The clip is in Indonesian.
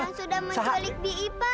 nasibnya jelek amat ipa